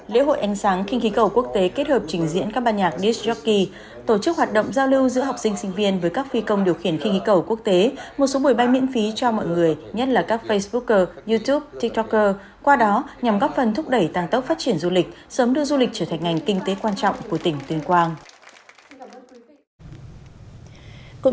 lễ hội ánh sáng khinh khí cầu quốc tế kết hợp trình diễn các ban nhạc disc jockey tổ chức hoạt động giao lưu giữa học sinh sinh viên với các phi công điều khiển khinh khí cầu quốc tế một số buổi bay miễn phí cho mọi người nhất là các facebooker youtube tiktoker qua đó nhằm góp phần thúc đẩy tăng tốc phát triển du lịch sớm đưa du lịch trở thành ngành kinh tế quan trọng của tỉnh tuyên quang